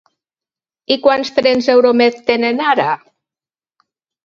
I quants trens Euromed tenen ara?